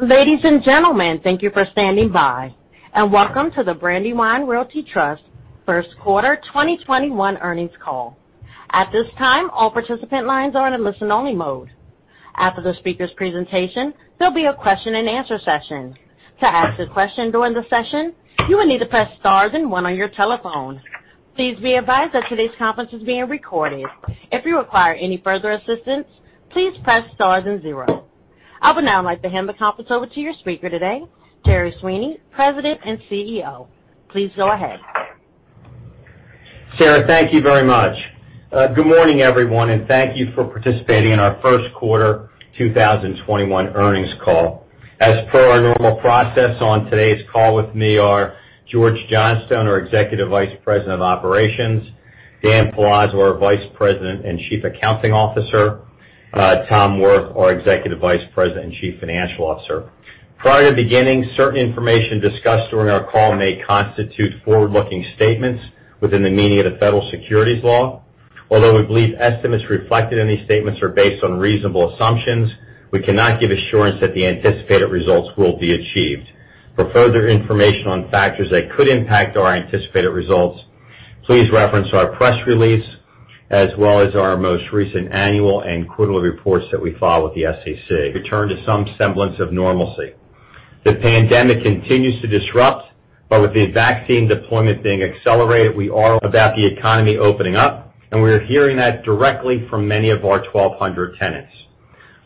Ladies and gentlemen, thank you for standing by, and welcome to the Brandywine Realty Trust first quarter 2021 earnings call. At this time, all participant lines are in a listen only mode. After the speaker's presentation, there will be a question and answer session. To ask a question during the session, you will need to press star then one on your telephone. Please be advised that today's conference is being recorded. If you require any further assistance, please press star then zero. I would now like to hand the conference over to your speaker today, Jerry Sweeney, President and CEO. Please go ahead. Sarah, thank you very much. Good morning, everyone, and thank you for participating in our first quarter 2021 earnings call. As per our normal process, on today's call with me are George Johnstone, our Executive Vice President of Operations, Dan Palazzo, our Vice President and Chief Accounting Officer, Tom Wirth, our Executive Vice President and Chief Financial Officer. Prior to beginning, certain information discussed during our call may constitute forward-looking statements within the meaning of the federal securities law. Although we believe estimates reflected in these statements are based on reasonable assumptions, we cannot give assurance that the anticipated results will be achieved. For further information on factors that could impact our anticipated results, please reference our press release, as well as our most recent annual and quarterly reports that we file with the SEC. Return to some semblance of normalcy. The pandemic continues to disrupt, but with the vaccine deployment being accelerated, we are about the economy opening up, and we're hearing that directly from many of our 1,200 tenants.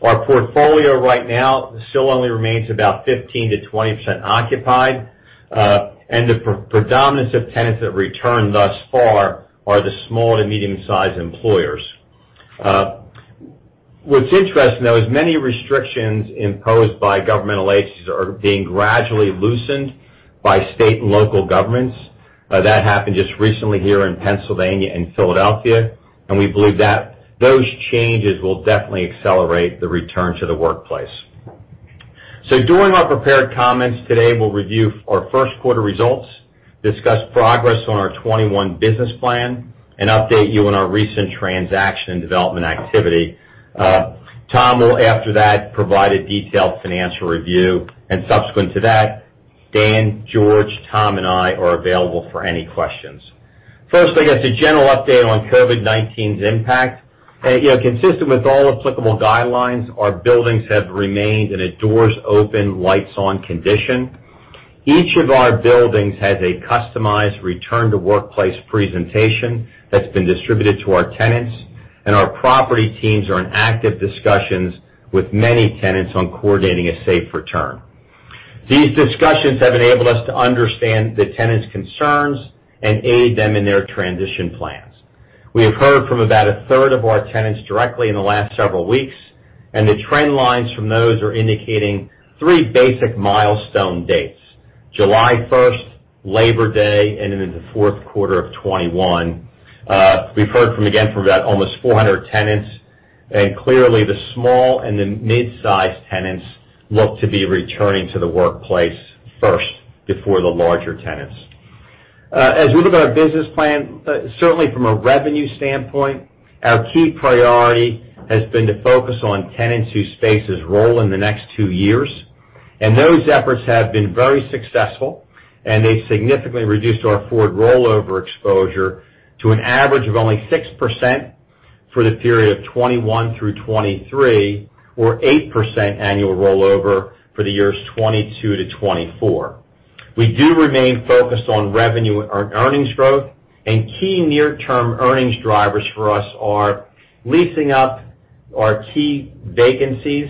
Our portfolio right now still only remains about 15%-20% occupied. The predominance of tenants that returned thus far are the small to medium-sized employers. What's interesting, though, is many restrictions imposed by governmental agencies are being gradually loosened by state and local governments. That happened just recently here in Pennsylvania and Philadelphia, and we believe those changes will definitely accelerate the return to the workplace. During our prepared comments today, we'll review our first quarter results, discuss progress on our 2021 business plan, and update you on our recent transaction and development activity. Tom will, after that, provide a detailed financial review, and subsequent to that, Dan, George, Tom, and I are available for any questions. First thing is a general update on COVID-19's impact. Consistent with all applicable guidelines, our buildings have remained in a doors open, lights on condition. Each of our buildings has a customized return to workplace presentation that's been distributed to our tenants, and our property teams are in active discussions with many tenants on coordinating a safe return. These discussions have enabled us to understand the tenants' concerns and aid them in their transition plans. We have heard from about a third of our tenants directly in the last several weeks, and the trend lines from those are indicating three basic milestone dates: July 1st, Labor Day, and into the fourth quarter of 2021. We've heard from about almost 400 tenants, and clearly the small and the mid-size tenants look to be returning to the workplace first before the larger tenants. As we look at our business plan, certainly from a revenue standpoint, our key priority has been to focus on tenants whose spaces roll in the next two years, and those efforts have been very successful, and they significantly reduced our forward rollover exposure to an average of only 6% for the period of 2021 through 2023, or 8% annual rollover for the years 2022 to 2024. We do remain focused on revenue and earnings growth, and key near term earnings drivers for us are leasing up our key vacancies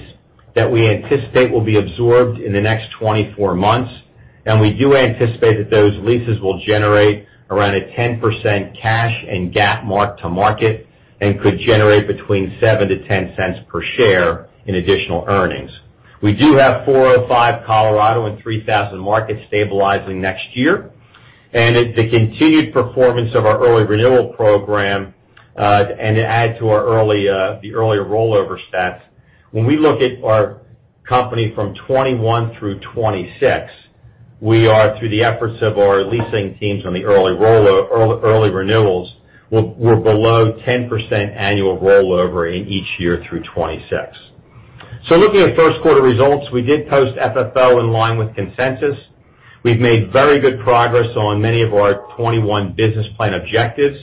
that we anticipate will be absorbed in the next 24 months, and we do anticipate that those leases will generate around a 10% cash and GAAP mark-to-market and could generate between $0.07-$0.10 per share in additional earnings. We do have 405 Colorado and 3000 Market stabilizing next year. The continued performance of our early renewal program, and to add to the earlier rollover stats, when we look at our company from 2021 through 2026, we are, through the efforts of our leasing teams on the early renewals, we're below 10% annual rollover in each year through 2026. Looking at first quarter results, we did post FFO in line with consensus. We've made very good progress on many of our 2021 business plan objectives.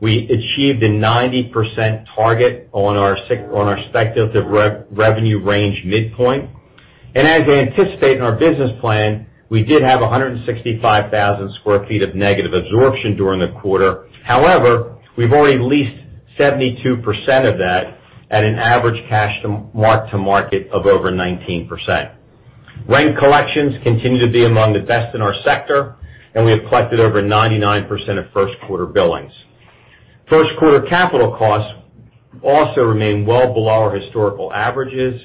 We achieved a 90% target on our speculative revenue range midpoint. As we anticipate in our business plan, we did have 165,000 sq ft of negative absorption during the quarter. However, we've already leased 72% of that at an average cash mark-to-market of over 19%. Rent collections continue to be among the best in our sector, and we have collected over 99% of first quarter billings. First quarter capital costs also remain well below our historical averages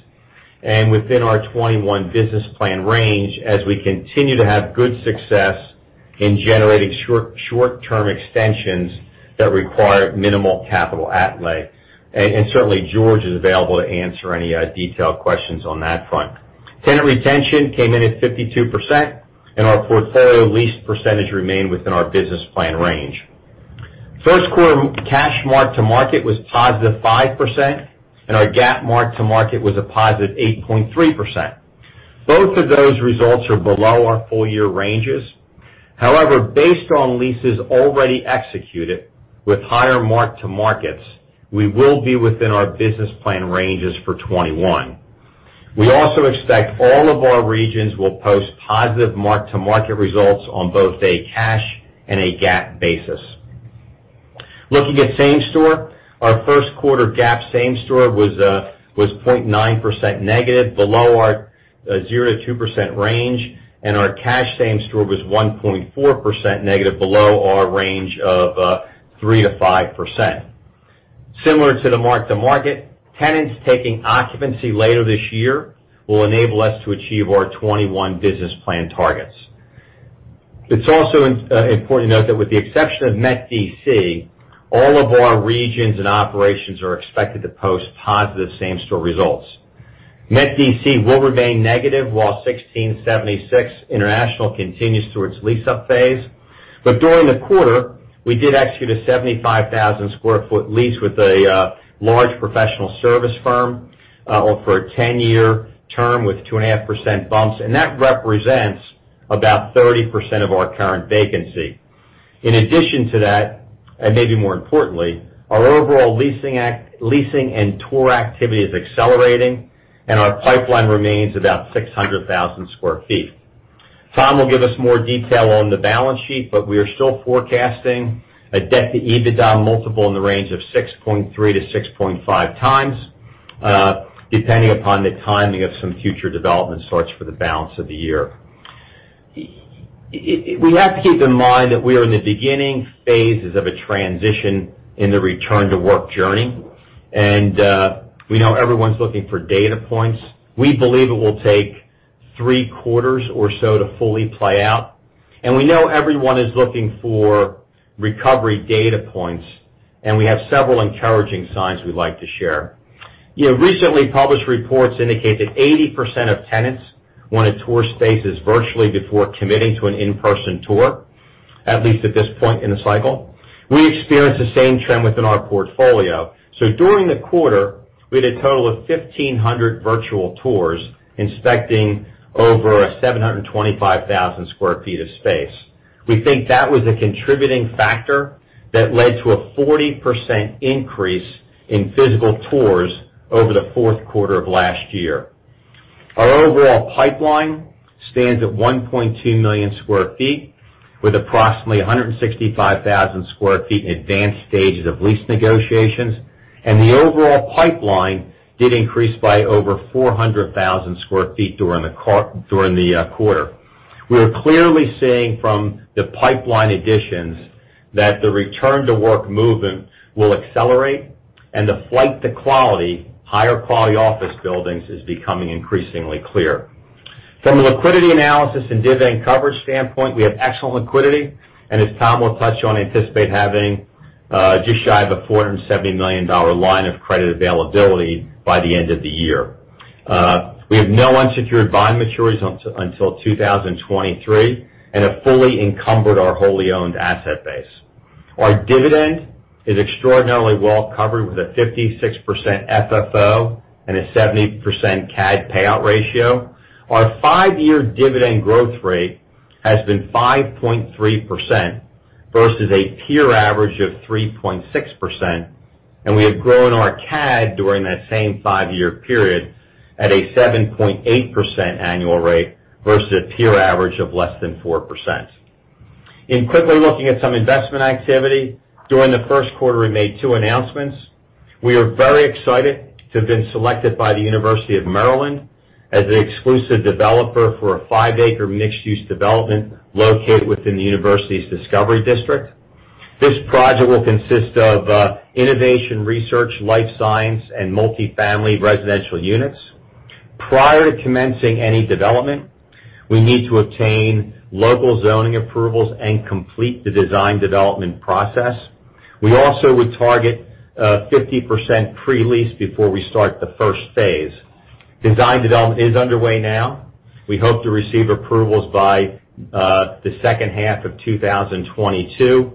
and within our 2021 business plan range as we continue to have good success in generating short-term extensions that require minimal capital outlay. Certainly George is available to answer any detailed questions on that front. Tenant retention came in at 52%, and our portfolio lease percentage remained within our business plan range. First quarter cash mark to market was positive 5%, and our GAAP mark to market was a positive 8.3%. Both of those results are below our full year ranges. However, based on leases already executed with higher mark to markets, we will be within our business plan ranges for 2021. We also expect all of our regions will post positive mark to market results on both a cash and a GAAP basis. Looking at same store, our first quarter GAAP same store was -0.9%, below our 0%-2% range, and our cash same store was -1.4% below our range of 3%-5%. Similar to the mark to market, tenants taking occupancy later this year will enable us to achieve our 2021 business plan targets. It's also important to note that with the exception of Met D.C., all of our regions and operations are expected to post positive same store results. Met D.C. will remain negative while 1676 International continues through its lease-up phase. During the quarter, we did execute a 75,000 sq ft lease with a large professional service firm, for a 10-year term with 2.5% bumps, and that represents about 30% of our current vacancy. In addition to that, and maybe more importantly, our overall leasing and tour activity is accelerating and our pipeline remains about 600,000 square feet. Tom will give us more detail on the balance sheet, but we are still forecasting a debt to EBITDA multiple in the range of 6.3x to 6.5x, depending upon the timing of some future development starts for the balance of the year. We have to keep in mind that we are in the beginning phases of a transition in the return to work journey, and we know everyone's looking for data points. We believe it will take three quarters or so to fully play out. We know everyone is looking for recovery data points, and we have several encouraging signs we'd like to share. Recently published reports indicate that 80% of tenants want to tour spaces virtually before committing to an in-person tour, at least at this point in the cycle. We experience the same trend within our portfolio. During the quarter, we had a total of 1,500 virtual tours inspecting over 725,000 sq ft of space. We think that was a contributing factor that led to a 40% increase in physical tours over the fourth quarter of last year. Our overall pipeline stands at 1.2 million sq ft with approximately 165,000 square feet in advanced stages of lease negotiations, and the overall pipeline did increase by over 400,000 square feet during the quarter. We are clearly seeing from the pipeline additions that the return to work movement will accelerate and the flight to quality, higher quality office buildings, is becoming increasingly clear. From a liquidity analysis and dividend coverage standpoint, we have excellent liquidity, and as Tom Wirth will touch on, anticipate having just shy of a $470 million line of credit availability by the end of the year. We have no unsecured bond maturities until 2023 and have fully encumbered our wholly owned asset base. Our dividend is extraordinarily well covered with a 56% FFO and a 70% CAD payout ratio. Our five-year dividend growth rate has been 5.3% versus a peer average of 3.6%, and we have grown our CAD during that same five-year period at a 7.8% annual rate versus a peer average of less than 4%. In quickly looking at some investment activity, during the first quarter, we made two announcements. We are very excited to have been selected by the University of Maryland as the exclusive developer for a five-acre mixed-use development located within the university's Discovery District. This project will consist of innovation research, life science, and multi-family residential units. Prior to commencing any development, we need to obtain local zoning approvals and complete the design development process. We also would target 50% pre-lease before we start the first phase. Design development is underway now. We hope to receive approvals by the second half of 2022,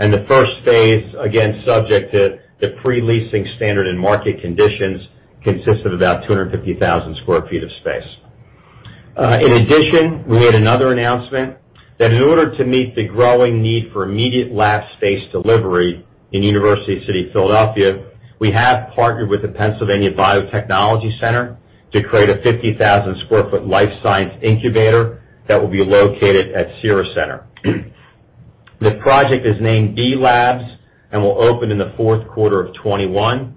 and the first phase, again, subject to the pre-leasing standard and market conditions, consists of about 250,000 sq ft of space. In addition, we had another announcement that in order to meet the growing need for immediate lab space delivery in University City, Philadelphia, we have partnered with the Pennsylvania Biotechnology Center to create a 50,000 sq ft life science incubator that will be located at Cira Centre. The project is named B+labs and will open in the fourth quarter of 2021.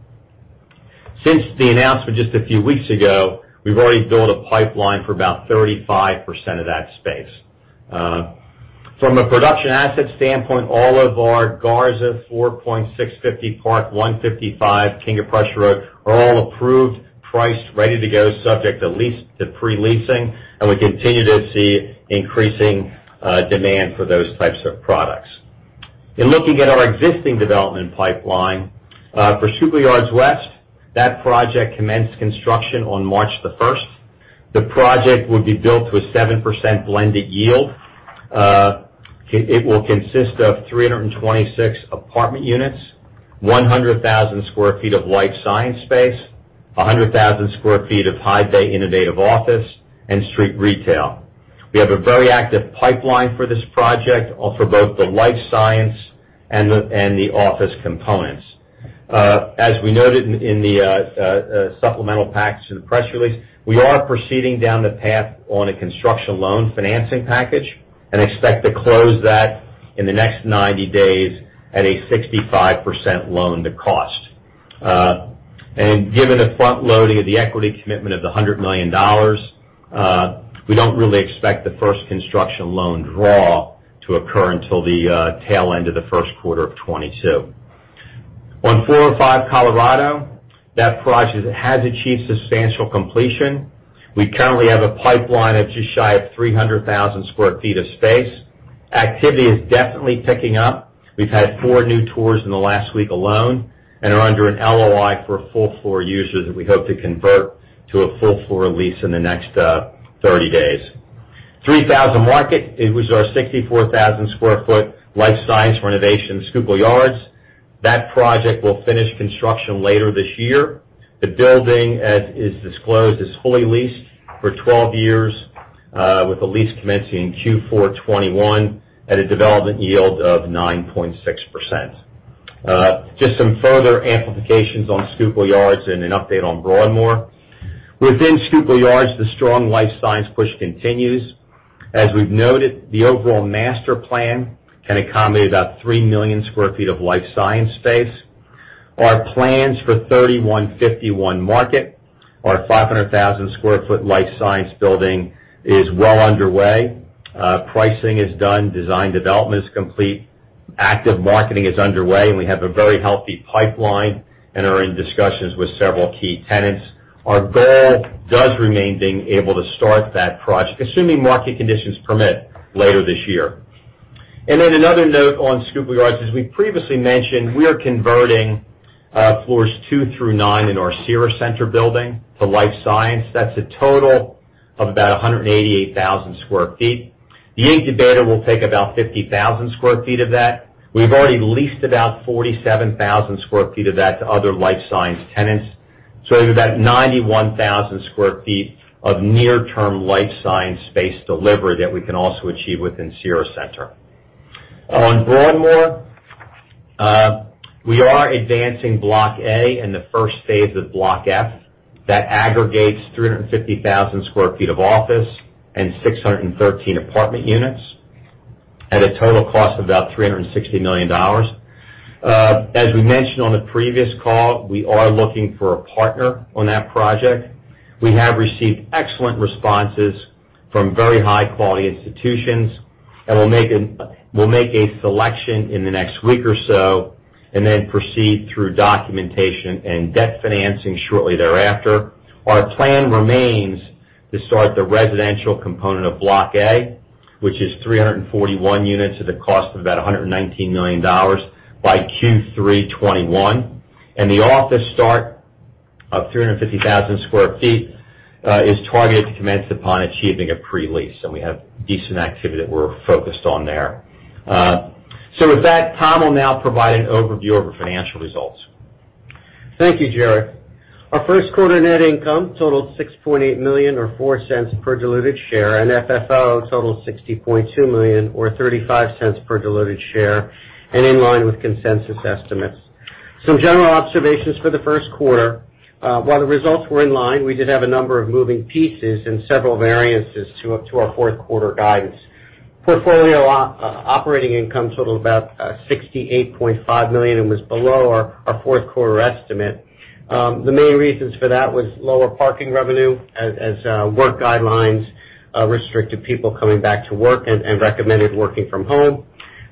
Since the announcement just a few weeks ago, we've already built a pipeline for about 35% of that space. From a production asset standpoint, all of our Garza, 4.650 Park 155 King of Prussia Road are all approved, priced, ready to go subject to pre-leasing, and we continue to see increasing demand for those types of products. In looking at our existing development pipeline, for Schuylkill Yards West, that project commenced construction on March the first. The project will be built to a 7% blended yield. It will consist of 326 apartment units, 100,000 sq ft of life science space, 100,000 sq ft of high bay innovative office, and street retail. We have a very active pipeline for this project, for both the life science and the office components. As we noted in the supplemental packs to the press release, we are proceeding down the path on a construction loan financing package and expect to close that in the next 90 days at a 65% loan to cost. Given the front-loading of the equity commitment of the $100 million, we don't really expect the first construction loan draw to occur until the tail end of the first quarter of 2022. On 405 Colorado, that project has achieved substantial completion. We currently have a pipeline of just shy of 300,000 square feet of space. Activity is definitely picking up. We've had four new tours in the last week alone and are under an LOI for a full floor user that we hope to convert to a full floor lease in the next 30 days. 3000 Market, it was our 64,000 sq ft life science renovation in Schuylkill Yards. That project will finish construction later this year. The building, as is disclosed, is fully leased for 12 years, with the lease commencing Q4 2021 at a development yield of 9.6%. Some further amplifications on Schuylkill Yards and an update on Broadmoor. Within Schuylkill Yards, the strong life science push continues. We've noted, the overall master plan can accommodate about 3 million sq ft of life science space. Our plans for 3151 Market, our 500,000 square foot life science building, is well underway. Pricing is done, design development is complete, active marketing is underway, and we have a very healthy pipeline and are in discussions with several key tenants. Our goal does remain being able to start that project, assuming market conditions permit, later this year. Another note on Schuylkill Yards, as we previously mentioned, we are converting floors two through nine in our Cira Centre building to life science. That's a total of about 188,000 sq ft. The incubator will take about 50,000 sq ft of that. We've already leased about 47,000 sq ft of that to other life science tenants. We have about 91,000 sq ft of near-term life science space delivery that we can also achieve within Cira Centre. On Broadmoor, we are advancing Block A and the first phase of Block F. That aggregates 350,000 sq ft of office and 613 apartment units at a total cost of about $360 million. As we mentioned on the previous call, we are looking for a partner on that project. We have received excellent responses from very high-quality institutions, and we'll make a selection in the next week or so, and then proceed through documentation and debt financing shortly thereafter. Our plan remains to start the residential component of Block A, which is 341 units at a cost of about $119 million, by Q3 2021. The office start of 350,000 square feet is targeted to commence upon achieving a pre-lease. We have decent activity that we're focused on there. With that, Tom will now provide an overview of our financial results. Thank you, Jerry. Our first quarter net income totaled $6.8 million, or $0.04 per diluted share. FFO totaled $60.2 million, or $0.35 per diluted share, in line with consensus estimates. Some general observations for the first quarter. While the results were in line, we did have a number of moving pieces and several variances to our fourth quarter guidance. Portfolio operating income totaled about $68.5 million, was below our fourth quarter estimate. The main reasons for that was lower parking revenue as work guidelines restricted people coming back to work and recommended working from home.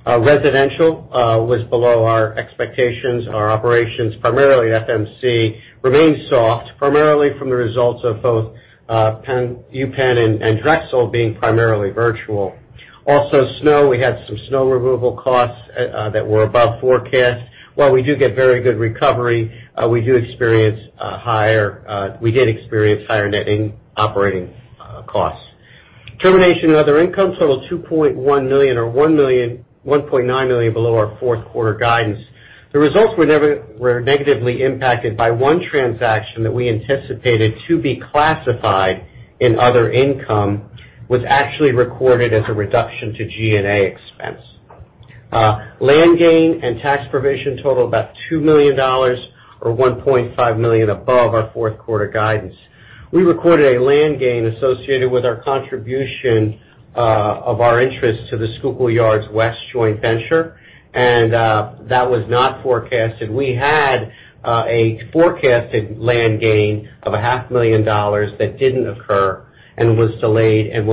Residential was below our expectations. Our operations, primarily FMC, remained soft, primarily from the results of both UPenn and Drexel being primarily virtual. Snow, we had some snow removal costs that were above forecast. While we do get very good recovery, we did experience higher net operating costs. Termination of other income totaled $2.1 million, or $1.9 million below our fourth quarter guidance. The results were negatively impacted by one transaction that we anticipated to be classified in other income, was actually recorded as a reduction to G&A expense. Land gain and tax provision totaled about $2 million, or $1.5 million above our fourth quarter guidance. We recorded a land gain associated with our contribution of our interest to the Schuylkill Yards West joint venture. That was not forecasted. We had a forecasted land gain of a half million dollars that didn't occur and was delayed and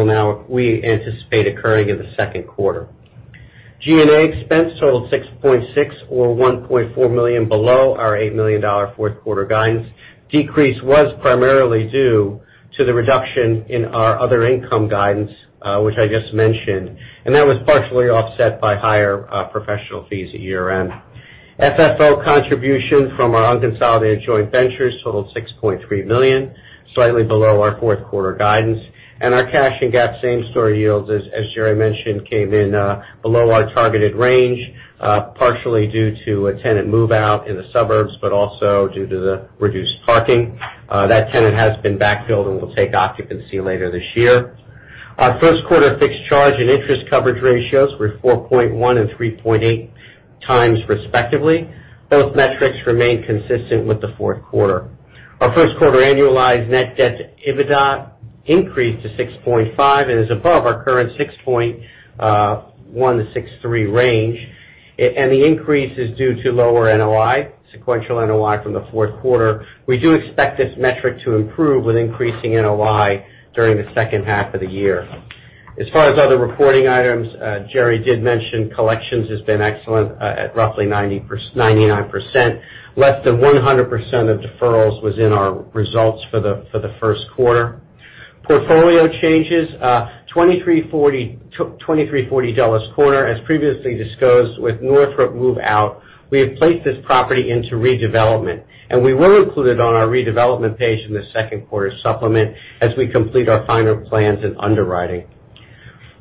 we anticipate occurring in the second quarter. G&A expense totaled $6.6 million or $1.4 million below our $8 million fourth quarter guidance. The decrease was primarily due to the reduction in our other income guidance, which I just mentioned. That was partially offset by higher professional fees at year-end. FFO contribution from our unconsolidated joint ventures totaled $6.3 million, slightly below our fourth quarter guidance. Our cash and GAAP same story yields, as Jerry mentioned, came in below our targeted range, partially due to a tenant move-out in the suburbs, but also due to the reduced parking. That tenant has been backfilled and will take occupancy later this year. Our first quarter fixed charge and interest coverage ratios were 4.1x and 3.8x respectively. Both metrics remain consistent with the fourth quarter. Our first quarter annualized net debt to EBITDA increased to 6.5 and is above our current 6.1-6.3 range. The increase is due to lower NOI, sequential NOI from the fourth quarter. We do expect this metric to improve with increasing NOI during the second half of the year. As far as other reporting items, Jerry did mention collections has been excellent at roughly 99%. Less than 100% of deferrals was in our results for the first quarter. Portfolio changes, 2340 Dulles Corner, as previously discussed with Northrop move-out, we have placed this property into redevelopment, and we were included on our redevelopment page in the second quarter supplement as we complete our final plans and underwriting.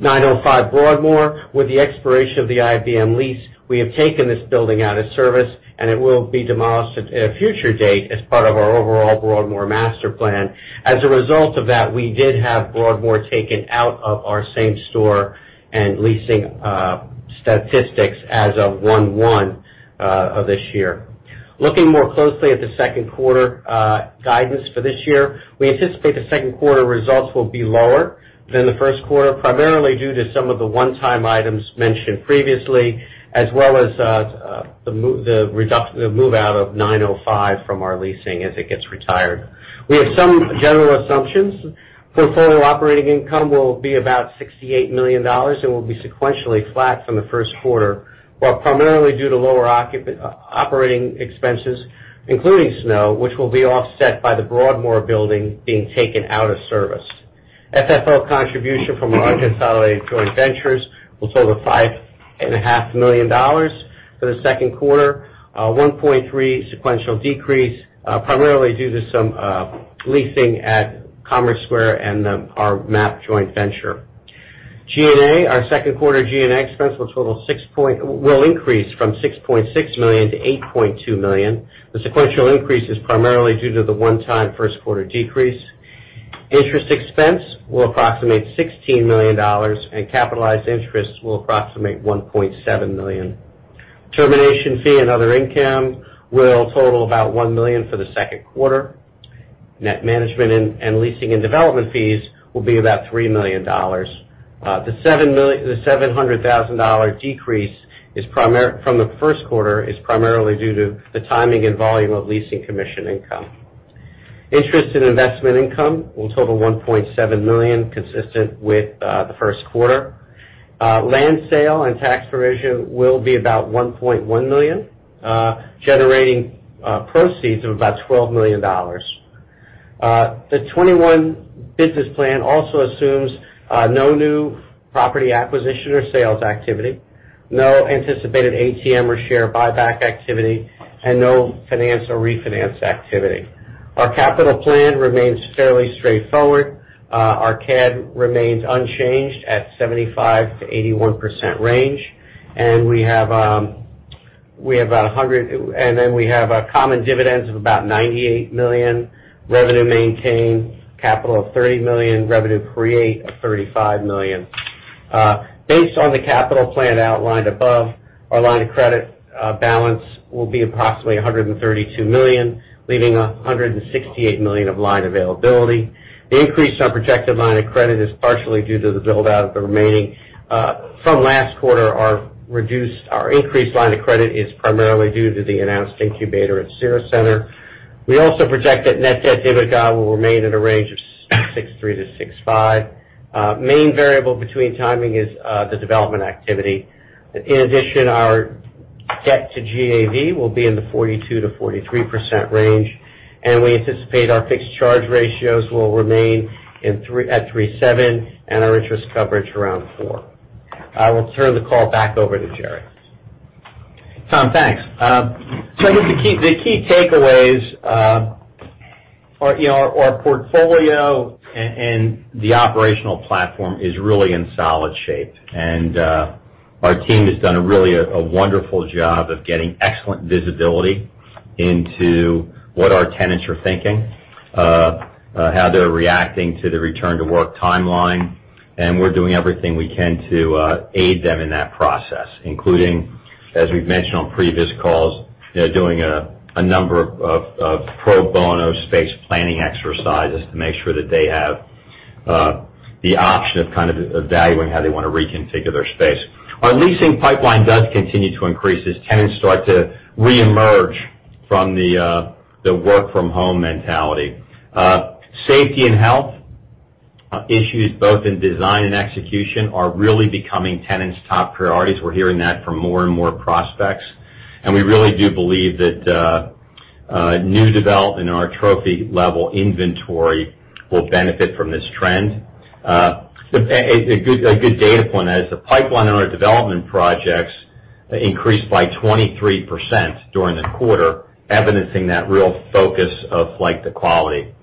905 Broadmoor, with the expiration of the IBM lease, we have taken this building out of service, and it will be demolished at a future date as part of our overall Broadmoor master plan. As a result of that, we did have Broadmoor taken out of our same store and leasing statistics as of 1/1 of this year. Looking more closely at the second quarter guidance for this year, we anticipate the second quarter results will be lower than the first quarter, primarily due to some of the one-time items mentioned previously, as well as the move-out of 905 from our leasing as it gets retired. We have some general assumptions. Portfolio operating income will be about $68 million and will be sequentially flat from the first quarter, while primarily due to lower operating expenses, including snow, which will be offset by the Broadmoor building being taken out of service. FFO contribution from our unconsolidated joint ventures will total $5.5 million for the second quarter, a 1.3 sequential decrease, primarily due to some leasing at Commerce Square and our MAP Venture. G&A, our second quarter G&A expense will increase from $6.6 million-$8.2 million. The sequential increase is primarily due to the one-time first quarter decrease. Interest expense will approximate $16 million, capitalized interest will approximate $1.7 million. Termination fee and other income will total about $1 million for the second quarter. Net management and leasing and development fees will be about $3 million. The $700,000 decrease from the first quarter is primarily due to the timing and volume of leasing commission income. Interest in investment income will total $1.7 million, consistent with the first quarter. Land sale and tax provision will be about $1.1 million, generating proceeds of about $12 million. The 2021 business plan also assumes no new property acquisition or sales activity, no anticipated ATM or share buyback activity, and no finance or refinance activity. Our capital plan remains fairly straightforward. Our CAD remains unchanged at 75%-81% range. We have common dividends of about $98 million, revenue maintain capital of $30 million, revenue create of $35 million. Based on the capital plan outlined above, our line of credit balance will be approximately $132 million, leaving $168 million of line availability. The increase on projected line of credit is partially due to the build-out of the remaining. From last quarter, our increased line of credit is primarily due to the announced incubator at Cira Centre. We also project that net debt to EBITDA will remain in a range of 6.3-6.5. The main variable between timing is the development activity. In addition, our debt to GAV will be in the 42%-43% range, and we anticipate our fixed charge ratios will remain at 3.7, and our interest coverage around 4. I will turn the call back over to Jerry. Tom, thanks. I think the key takeaways are our portfolio and the operational platform is really in solid shape, and our team has done a really wonderful job of getting excellent visibility into what our tenants are thinking, how they're reacting to the return to work timeline, and we're doing everything we can to aid them in that process, including, as we've mentioned on previous calls, doing a number of pro bono space planning exercises to make sure that they have the option of kind of evaluating how they want to reconfigure their space. Our leasing pipeline does continue to increase as tenants start to reemerge from the work from home mentality. Safety and health issues both in design and execution are really becoming tenants' top priorities. We're hearing that from more and more prospects. We really do believe that new development in our trophy-level inventory will benefit from this trend. A good data point is the pipeline in our development projects increased by 23% during the quarter, evidencing that real focus of the quality.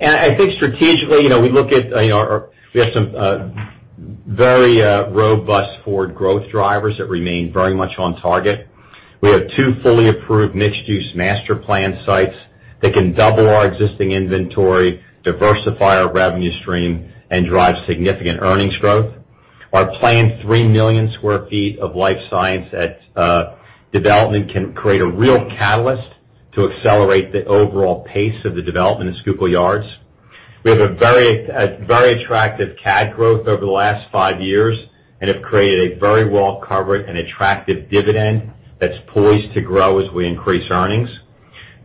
I think strategically, we have some very robust forward growth drivers that remain very much on target. We have two fully approved mixed-use master plan sites that can double our existing inventory, diversify our revenue stream, and drive significant earnings growth. Our planned 3 million sq ft of life science development can create a real catalyst to accelerate the overall pace of the development at Schuylkill Yards. We have a very attractive CAD growth over the last five years and have created a very well-covered and attractive dividend that's poised to grow as we increase earnings.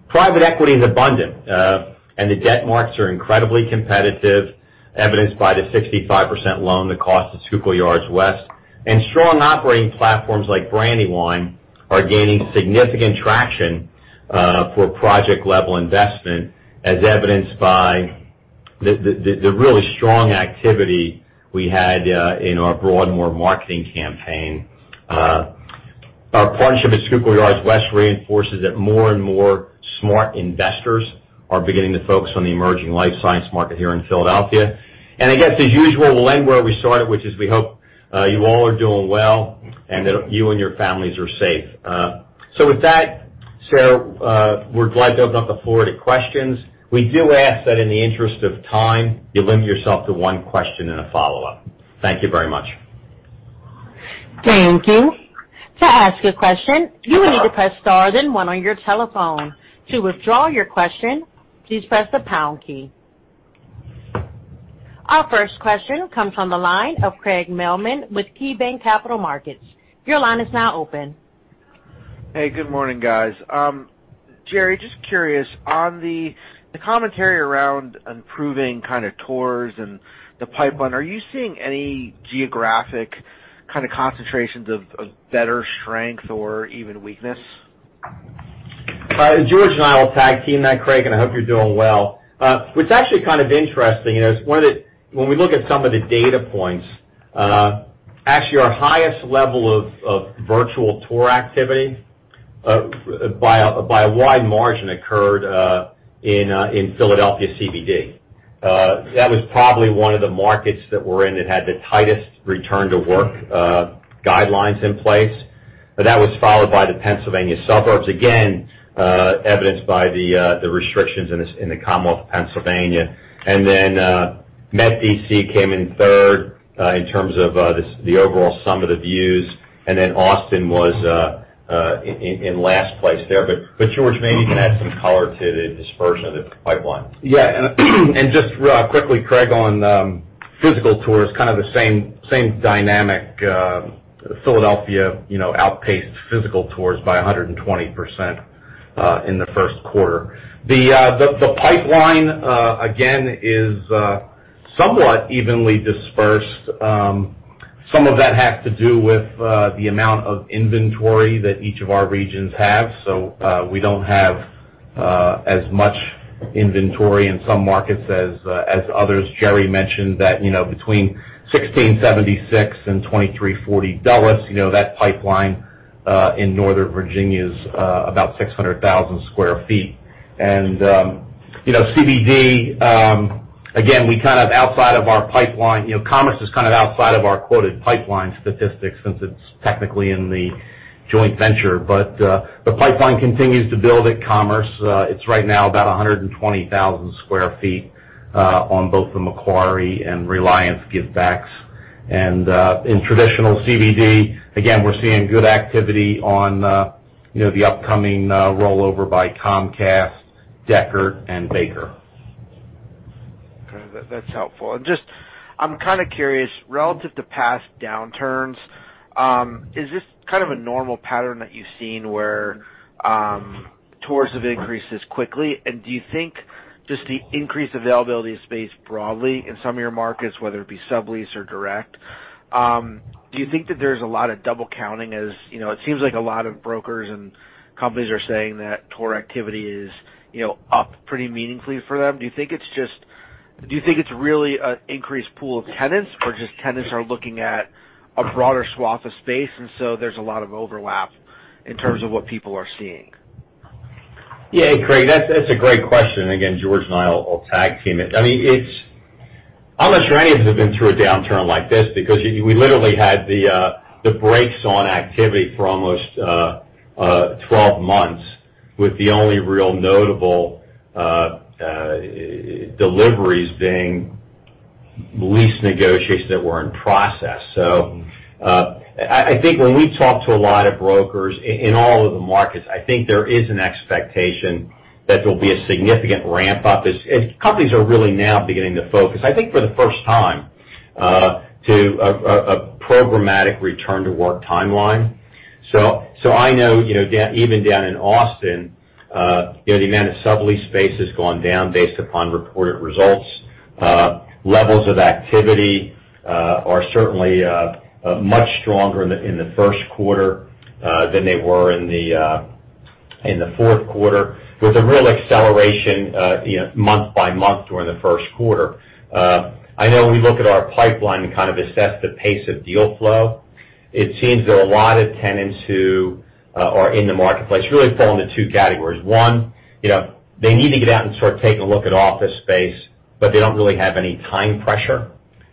Private equity is abundant, the debt marks are incredibly competitive, evidenced by the 65% loan, the cost of Schuylkill Yards West. Strong operating platforms like Brandywine are gaining significant traction for project-level investment, as evidenced by the really strong activity we had in our Broadmoor marketing campaign. Our partnership at Schuylkill Yards West reinforces that more and more smart investors are beginning to focus on the emerging life science market here in Philadelphia. I guess as usual, we'll end where we started, which is we hope you all are doing well, and that you and your families are safe. With that, Sarah, we're glad to open up the floor to questions. We do ask that in the interest of time, you limit yourself to one question and a follow-up. Thank you very much. Thank you. To ask a question, you will need to press star then one on your telephone. To withdraw your question, please press the pound key. Our first question comes on the line of Craig Mailman with KeyBanc Capital Markets. Your line is now open. Hey, good morning, guys. Jerry, just curious, on the commentary around improving kind of tours and the pipeline, are you seeing any geographic kind of concentrations of better strength or even weakness? George and I will tag-team that, Craig. I hope you're doing well. What's actually kind of interesting is when we look at some of the data points, actually our highest level of virtual tour activity, by a wide margin, occurred in Philadelphia CBD. That was probably one of the markets that we're in that had the tightest return to work guidelines in place. That was followed by the Pennsylvania suburbs, again, evidenced by the restrictions in the Commonwealth of Pennsylvania. Met D.C. came in third in terms of the overall sum of the views. Austin was in last place there. George, maybe you can add some color to the dispersion of the pipeline. Yeah. Just quickly, Craig, on physical tours, kind of the same dynamic. Philadelphia outpaced physical tours by 120% in the first quarter. The pipeline, again, is somewhat evenly dispersed. Some of that has to do with the amount of inventory that each of our regions have. We don't have as much inventory in some markets as others. Jerry mentioned that between 1676 and 2340 Dulles, that pipeline in Northern Virginia is about 600,000 sq ft. CBD, again, Commerce is kind of outside of our quoted pipeline statistics since it's technically in the joint venture. The pipeline continues to build at Commerce. It's right now about 120,000 sq ft on both the Macquarie and Reliance give backs. In traditional CBD, again, we're seeing good activity on the upcoming rollover by Comcast, Dechert, and Baker. Okay. That's helpful. Just, I'm kind of curious, relative to past downturns, is this kind of a normal pattern that you've seen where tours have increased this quickly? Do you think just the increased availability of space broadly in some of your markets, whether it be sublease or direct, do you think that there's a lot of double counting? It seems like a lot of brokers and companies are saying that tour activity is up pretty meaningfully for them. Do you think it's really an increased pool of tenants, or just tenants are looking at a broader swath of space, and so there's a lot of overlap in terms of what people are seeing? Yeah, Craig, that's a great question. Again, George and I will tag team it. I'm not sure any of us have been through a downturn like this because we literally had the brakes on activity for almost 12 months, with the only real notable deliveries being lease negotiations that were in process. I think when we talk to a lot of brokers in all of the markets, I think there'll be a significant ramp-up, as companies are really now beginning to focus, I think for the first time, to a programmatic return-to-work timeline. I know even down in Austin, the amount of sublease space has gone down based upon reported results. Levels of activity are certainly much stronger in the first quarter than they were in the fourth quarter, with a real acceleration month by month during the first quarter. I know we look at our pipeline and kind of assess the pace of deal flow. It seems that a lot of tenants who are in the marketplace really fall into two categories. One, they need to get out and sort of take a look at office space, but they don't really have any time pressure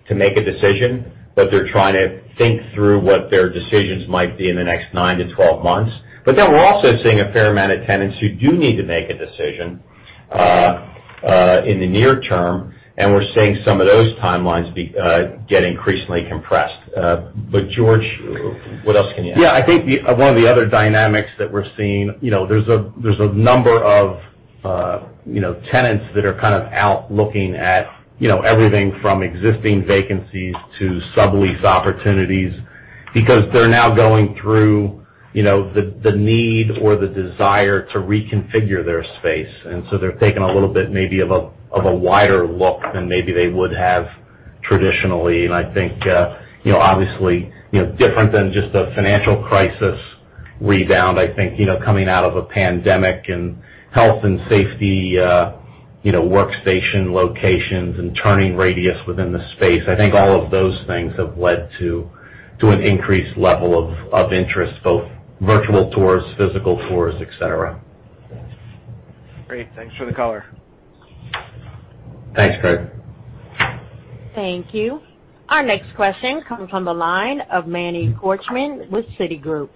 to make a decision, but they're trying to think through what their decisions might be in the next nine to 12 months. We're also seeing a fair amount of tenants who do need to make a decision in the near term, and we're seeing some of those timelines get increasingly compressed. George, what else can you add? Yeah, I think one of the other dynamics that we're seeing, there's a number of tenants that are kind of out looking at everything from existing vacancies to sublease opportunities because they're now going through the need or the desire to reconfigure their space. They're taking a little bit maybe of a wider look than maybe they would have traditionally. I think, obviously, different than just a financial crisis rebound, I think, coming out of a pandemic and health and safety workstation locations and turning radius within the space. I think all of those things have led to an increased level of interest, both virtual tours, physical tours, et cetera. Great. Thanks for the color. Thanks, Craig. Thank you. Our next question comes from the line of Manny Korchman with Citigroup.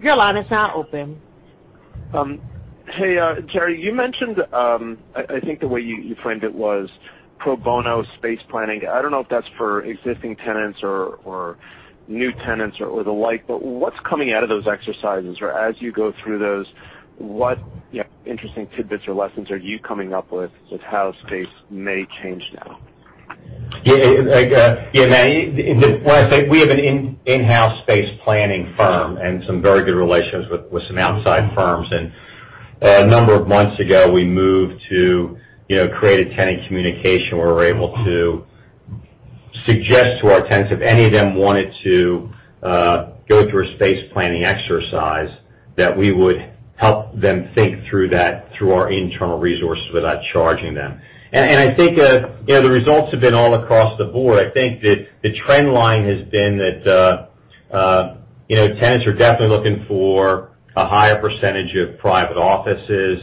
Your line is now open. Hey, Jerry, you mentioned, I think the way you framed it was pro bono space planning. I don't know if that's for existing tenants or new tenants or the like, but what's coming out of those exercises? As you go through those, what interesting tidbits or lessons are you coming up with how space may change now? Manny, when I say we have an in-house space planning firm and some very good relations with some outside firms. A number of months ago, we moved to create a tenant communication where we're able to suggest to our tenants, if any of them wanted to go through a space planning exercise, that we would help them think through that through our internal resources without charging them. I think the results have been all across the board. I think that the trend line has been that tenants are definitely looking for a higher percentage of private offices,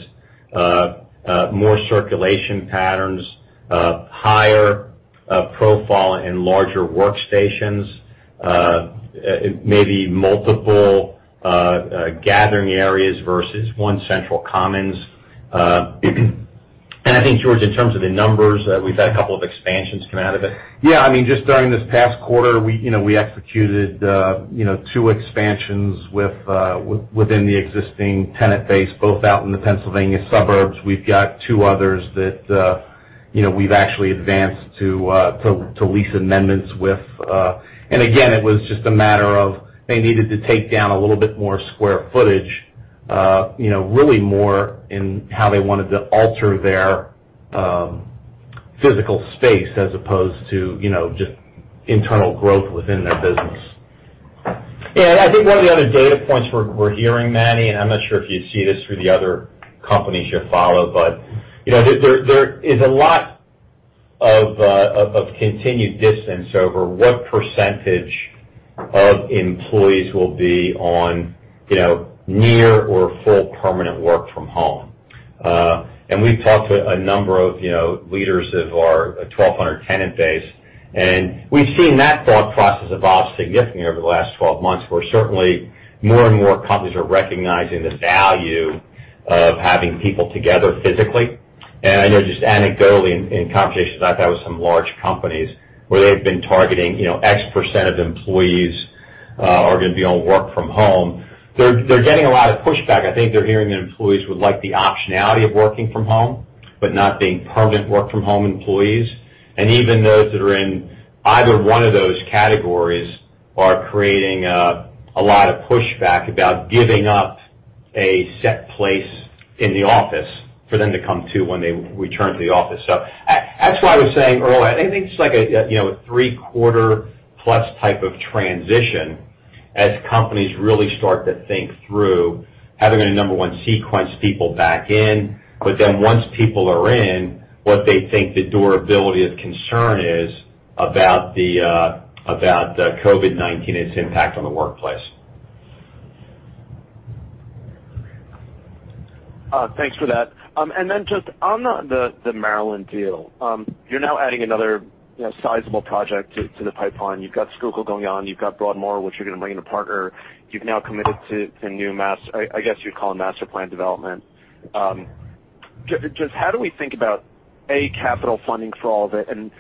more circulation patterns, higher profile and larger workstations, maybe multiple gathering areas versus one central commons. I think, George, in terms of the numbers, we've had a couple of expansions come out of it. Yeah, just during this past quarter, we executed two expansions within the existing tenant base, both out in the Pennsylvania suburbs. We've got two others that we've actually advanced to lease amendments with. Again, it was just a matter of they needed to take down a little bit more square footage really more in how they wanted to alter their physical space as opposed to just internal growth within their business. I think one of the other data points we're hearing, Manny, and I'm not sure if you see this through the other companies you follow, but there is a lot of continued distance over what percentage of employees will be on near or full permanent work from home. We've talked to a number of leaders of our 1,200 tenant base, and we've seen that thought process evolve significantly over the last 12 months, where certainly more and more companies are recognizing the value of having people together physically. I know just anecdotally in conversations I've had with some large companies, where they've been targeting X% of employees are going to be on work from home. They're getting a lot of pushback. I think they're hearing that employees would like the optionality of working from home, but not being permanent work from home employees. Even those that are in either one of those categories are creating a lot of pushback about giving up a set place in the office for them to come to when they return to the office. That's why I was saying earlier, I think it's like a three-quarter-plus type of transition as companies really start to think through having to, number one, sequence people back in, but then once people are in, what they think the durability of concern is about the COVID-19 and its impact on the workplace. Thanks for that. Just on the Maryland deal, you're now adding another sizable project to the pipeline. You've got Schuylkill going on, you've got Broadmoor, which you're going to bring in a partner. You've now committed to new, I guess you'd call it master plan development. Just how do we think about, A, capital funding for all of it, and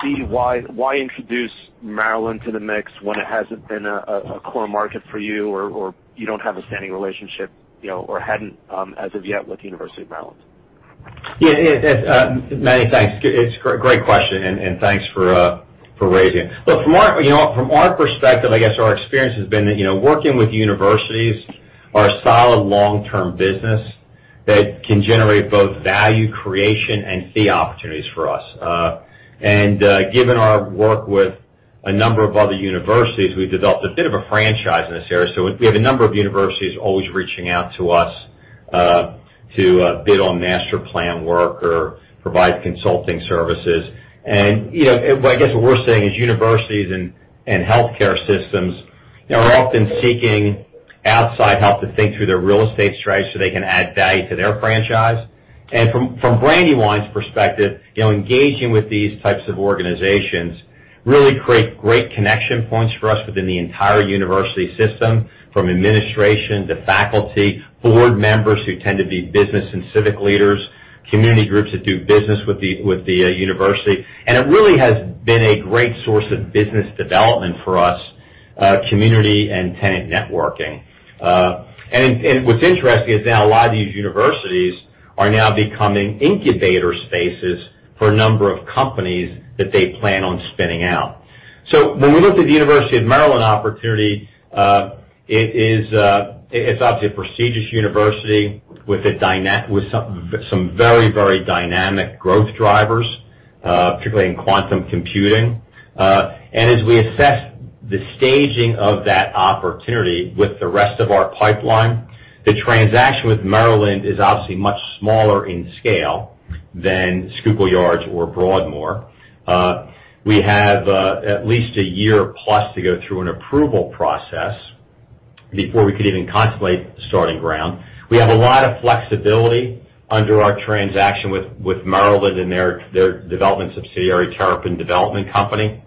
B, why introduce Maryland to the mix when it hasn't been a core market for you, or you don't have a standing relationship or hadn't as of yet with the University of Maryland? Yeah. Manny, thanks. It's a great question, and thanks for raising it. Look, from our perspective, I guess our experience has been that working with universities are a solid long-term business that can generate both value creation and fee opportunities for us. Given our work with a number of other universities, we've developed a bit of a franchise in this area. We have a number of universities always reaching out to us to bid on master plan work or provide consulting services. I guess what we're saying is universities and healthcare systems are often seeking outside help to think through their real estate strategy so they can add value to their franchise. From Brandywine's perspective, engaging with these types of organizations really create great connection points for us within the entire university system, from administration to faculty, board members who tend to be business and civic leaders, community groups that do business with the university. It really has been a great source of business development for us, community and tenant networking. What's interesting is now a lot of these universities are now becoming incubator spaces for a number of companies that they plan on spinning out. When we looked at the University of Maryland opportunity, it's obviously a prestigious university with some very dynamic growth drivers, particularly in quantum computing. As we assess the staging of that opportunity with the rest of our pipeline, the transaction with Maryland is obviously much smaller in scale than Schuylkill Yards or Broadmoor. We have at least a year plus to go through an approval process before we could even contemplate starting ground. We have a lot of flexibility under our transaction with Maryland and their development subsidiary, Terrapin Development Company.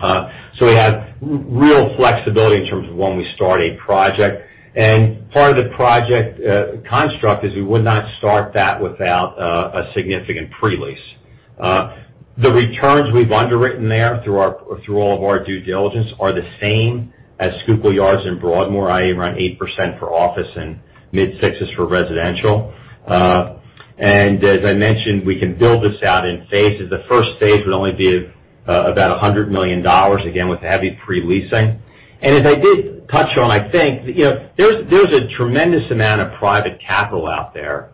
So we have real flexibility in terms of when we start a project. And part of the project construct is we would not start that without a significant pre-lease. The returns we've underwritten there through all of our due diligence are the same as Schuylkill Yards and Broadmoor, i.e., around 8% for office and mid-sixes for residential. And as I mentioned, we can build this out in phases. The first phase would only be about $100 million, again, with heavy pre-leasing. As I did touch on, I think, there's a tremendous amount of private capital out there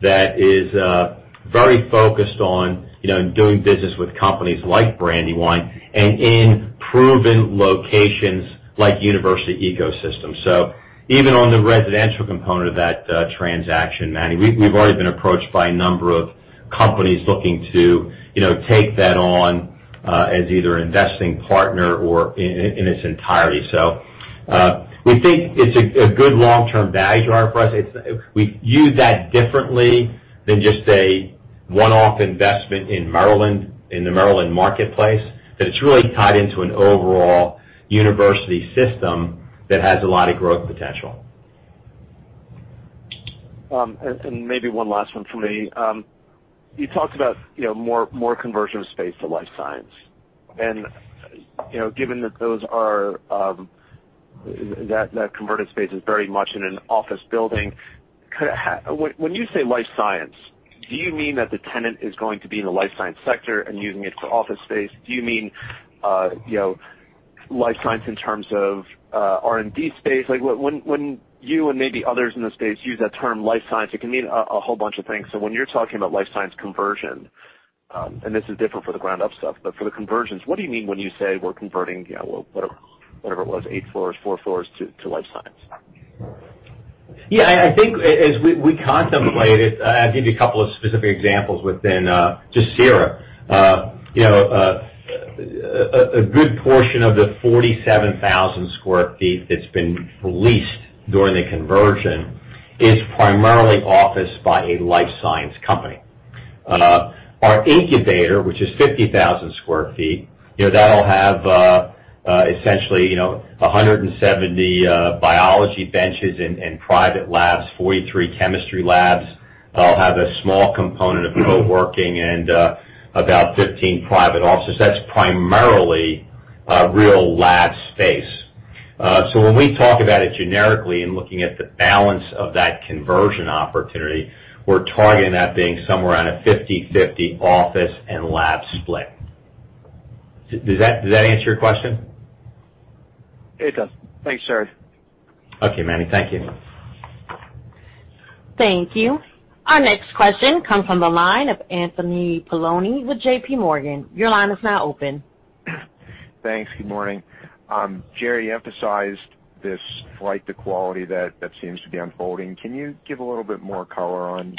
that is very focused on doing business with companies like Brandywine and in proven locations like university ecosystems. Even on the residential component of that transaction, Manny, we've already been approached by a number of companies looking to take that on as either an investing partner or in its entirety. We think it's a good long-term value driver for us. We view that differently than just a one-off investment in the Maryland marketplace, that it's really tied into an overall university system that has a lot of growth potential. Maybe one last one from me. You talked about more conversion of space to life science. Given that converted space is very much in an office building, when you say life science, do you mean that the tenant is going to be in the life science sector and using it for office space? Do you mean life science in terms of R&D space? When you and maybe others in the space use that term life science, it can mean a whole bunch of things. When you're talking about life science conversion, and this is different for the ground-up stuff, but for the conversions, what do you mean when you say we're converting, whatever it was, eight floors, four floors to life science? Yeah, I think as we contemplate it, I'll give you a couple of specific examples within just Cira. A good portion of the 47,000 sq ft that's been leased during the conversion is primarily officed by a life science company. Our incubator, which is 50,000 sq ft, that'll have essentially 170 biology benches and private labs, 43 chemistry labs. It'll have a small component of coworking and about 15 private offices. That's primarily real lab space. When we talk about it generically and looking at the balance of that conversion opportunity, we're targeting that being somewhere around a 50/50 office and lab split. Does that answer your question? It does. Thanks, Jerry. Okay, Manny. Thank you. Thank you. Our next question comes from the line of Anthony Paolone with JPMorgan. Your line is now open. Thanks. Good morning. Jerry, you emphasized this flight to quality that seems to be unfolding. Can you give a little bit more color on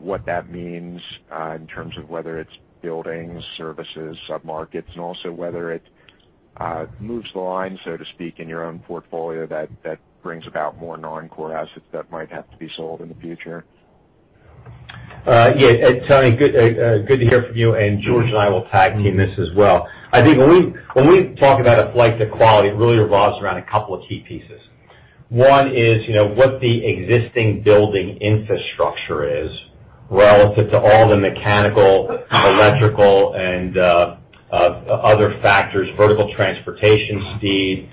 what that means in terms of whether it's buildings, services, sub-markets, and also whether it moves the line, so to speak, in your own portfolio that brings about more non-core assets that might have to be sold in the future? Tony, good to hear from you, and George and I will tag team this as well. I think when we talk about a flight to quality, it really revolves around a couple of key pieces. One is what the existing building infrastructure is relative to all the mechanical, electrical, and of other factors, vertical transportation speed,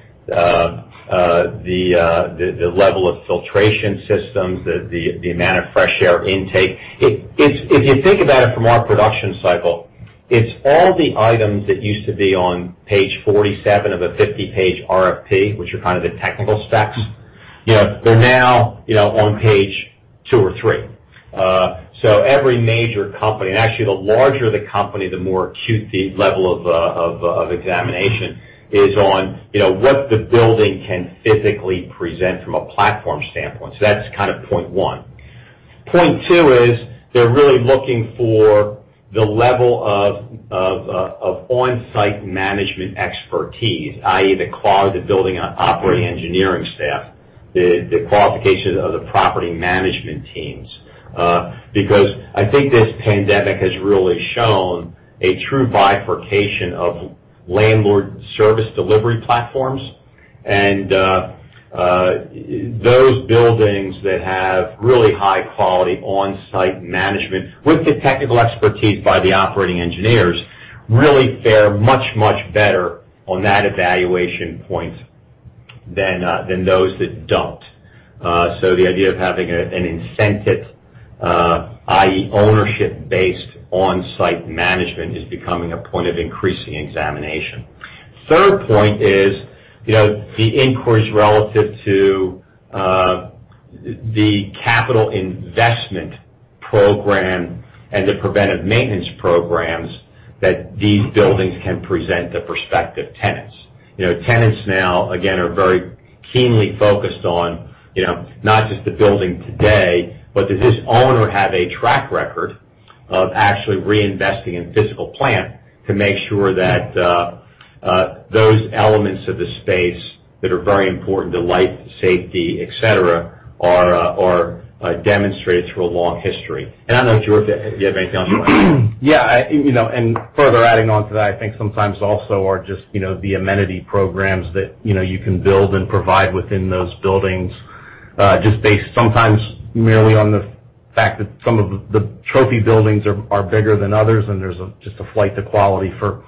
the level of filtration systems, the amount of fresh air intake. If you think about it from our production cycle, it's all the items that used to be on page 47 of a 50-page RFP, which are kind of the technical specs. They're now on page two or three. Every major company, and actually the larger the company, the more acute the level of examination, is on what the building can physically present from a platform standpoint. That's point one. Point two is they're really looking for the level of on-site management expertise, i.e., the quality of the building operating engineering staff, the qualification of the property management teams. I think this pandemic has really shown a true bifurcation of landlord service delivery platforms. Those buildings that have really high-quality on-site management with the technical expertise by the operating engineers really fare much, much better on that evaluation point than those that don't. The idea of having an incented, i.e., ownership-based on-site management is becoming a point of increasing examination. Third point is the inquiries relative to the capital investment program and the preventive maintenance programs that these buildings can present to prospective tenants. Tenants now, again, are very keenly focused on not just the building today, but does this owner have a track record of actually reinvesting in physical plant to make sure that those elements of the space that are very important to life, safety, et cetera, are demonstrated through a long history. I don't know, George, do you have anything else you want to add? Yeah. Further adding on to that, I think sometimes also are just the amenity programs that you can build and provide within those buildings, just based sometimes merely on the fact that some of the trophy buildings are bigger than others, and there's just a flight to quality for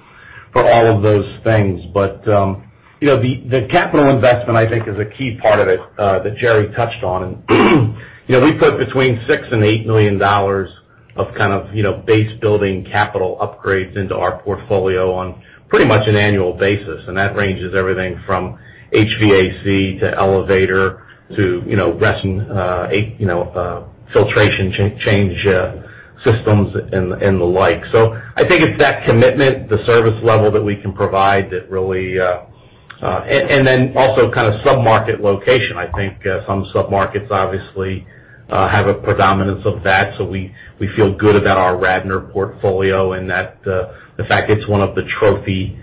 all of those things. The capital investment, I think, is a key part of it that Jerry touched on. We put between $6 million and $8 million of base building capital upgrades into our portfolio on pretty much an annual basis. That ranges everything from HVAC to elevator to restroom filtration change systems, and the like. I think it's that commitment, the service level that we can provide. Also sub-market location. I think some sub-markets obviously have a predominance of that. We feel good about our Radnor portfolio and the fact it's one of the trophy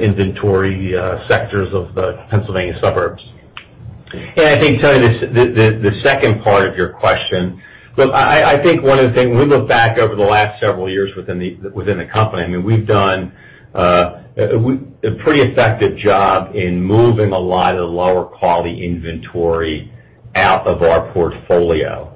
inventory sectors of the Pennsylvania suburbs. I think, Tony, the second part of your question, look, I think one of the things, when we look back over the last several years within the company, we've done a pretty effective job in moving a lot of the lower-quality inventory out of our portfolio.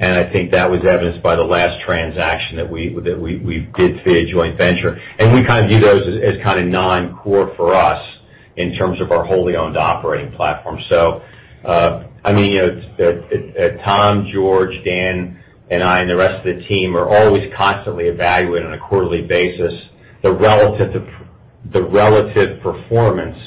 I think that was evidenced by the last transaction that we did via joint venture. We view those as non-core for us in terms of our wholly owned operating platform. Tom, George, Dan and I, and the rest of the team are always constantly evaluating on a quarterly basis, the relative performance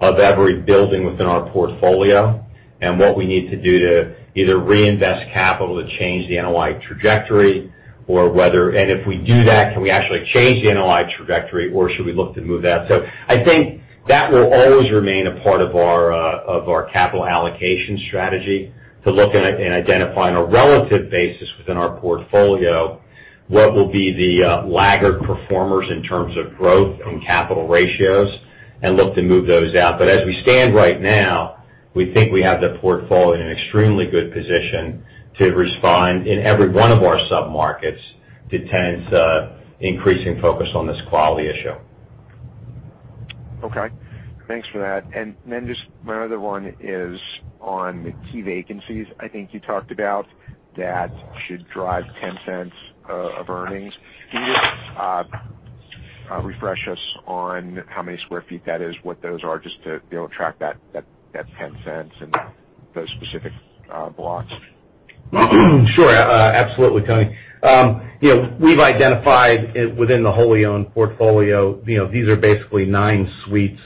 of every building within our portfolio, and what we need to do to either reinvest capital to change the NOI trajectory. If we do that, can we actually change the NOI trajectory, or should we look to move that? I think that will always remain a part of our capital allocation strategy, to look and identify on a relative basis within our portfolio, what will be the laggard performers in terms of growth and capital ratios, and look to move those out. As we stand right now, we think we have the portfolio in an extremely good position to respond in every one of our sub-markets to tenants' increasing focus on this quality issue. Okay. Thanks for that. Just my other one is on the key vacancies I think you talked about that should drive $0.10 of earnings. Can you refresh us on how many square feet that is, what those are, just to track that $0.10 and those specific blocks? Sure. Absolutely, Tony. We've identified within the wholly owned portfolio, these are basically nine suites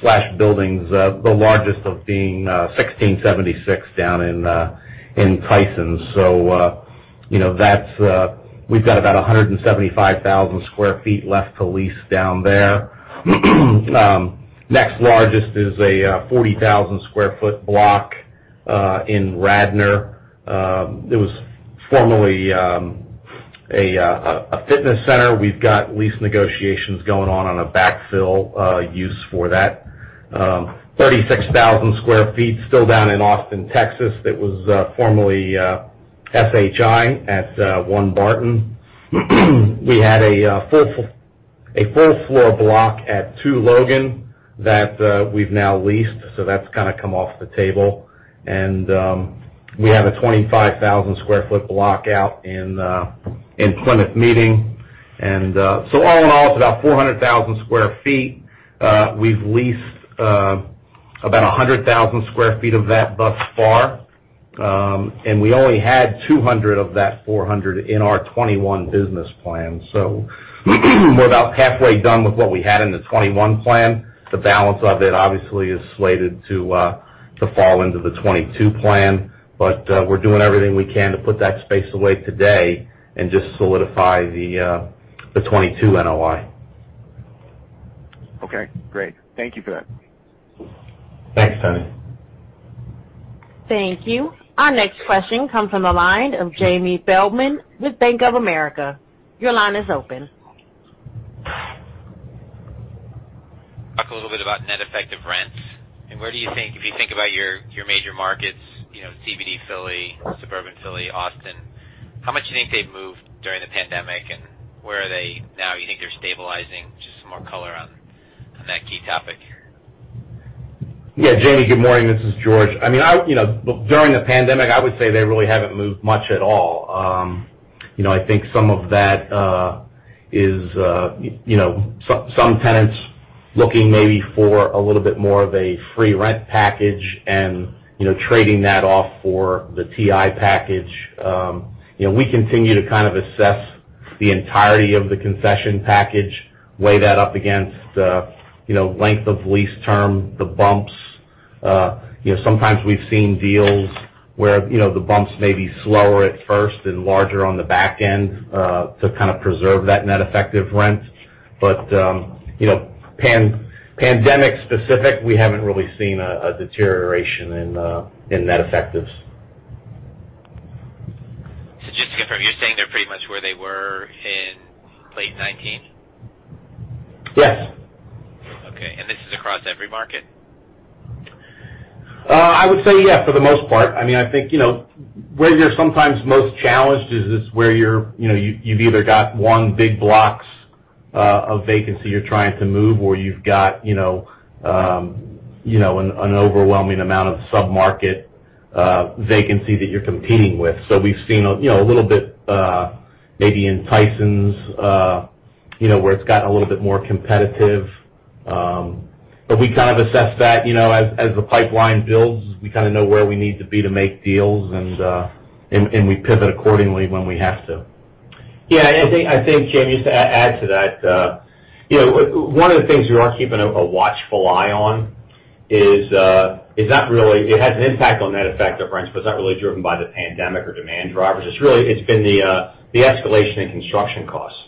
slash buildings, the largest of being 1676 down in Tysons. We've got about 175,000 sq ft left to lease down there. Next largest is a 40,000 sq ft block in Radnor. It was formerly a fitness center. We've got lease negotiations going on on a backfill use for that. 36,000 sq ft still down in Austin, Texas, that was formerly SHI at One Barton Place. We had a full-floor block at Two Logan that we've now leased, so that's kind of come off the table. We have a 25,000 sq ft block out in Plymouth Meeting. All in all, it's about 400,000 sq ft. We've leased about 100,000 sq ft of that thus far. We only had 200 of that 400 in our 2021 business plan. We're about halfway done with what we had in the 2021 plan. The balance of it obviously is slated to fall into the 2022 plan. We're doing everything we can to put that space away today and just solidify the 2022 NOI. Okay, great. Thank you for that. Thanks, Anthony Paolone. Thank you. Our next question comes from the line of Jamie Feldman with Bank of America. Your line is open. Talk a little bit about net effective rents. Where do you think, if you think about your major markets, CBD Philly, suburban Philly, Austin, how much do you think they've moved during the pandemic, and where are they now? You think they're stabilizing? Just some more color on that key topic. Yeah, Jamie, good morning. This is George. During the pandemic, I would say they really haven't moved much at all. I think some of that is some tenants looking maybe for a little bit more of a free rent package and trading that off for the TI package. We continue to kind of assess the entirety of the concession package, weigh that up against length of lease term, the bumps. Sometimes we've seen deals where the bumps may be slower at first and larger on the back end to kind of preserve that net effective rent. Pandemic specific, we haven't really seen a deterioration in net effectives. Just to confirm, you're saying they're pretty much where they were in late 2019? Yes. Okay. This is across every market? I would say yes, for the most part. I think where you're sometimes most challenged is just where you've either got one big block of vacancy you're trying to move or you've got an overwhelming amount of sub-market vacancy that you're competing with. We've seen a little bit maybe in Tysons, where it's gotten a little bit more competitive. We kind of assess that as the pipeline builds, we kind of know where we need to be to make deals, and we pivot accordingly when we have to. I think, Jamie, just to add to that, one of the things we are keeping a watchful eye on is it has an impact on net effective rents, but it's not really driven by the pandemic or demand drivers. It's been the escalation in construction costs.